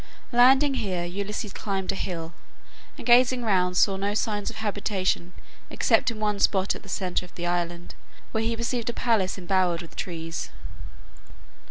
Landing here, Ulysses climbed a hill, and gazing round saw no signs of habitation except in one spot at the centre of the island, where he perceived a palace embowered with trees.